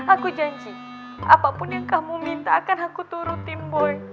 aku janji apapun yang kamu minta akan aku turut tim boy